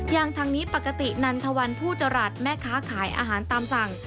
อย่างทางนี้ปกตินันทวันผู้จรัสแม่ค้าขายอาหารตามสั่ง